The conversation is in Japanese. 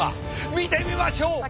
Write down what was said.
見てみましょう！